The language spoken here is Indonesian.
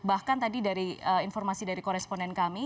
bahkan tadi dari informasi dari koresponden kami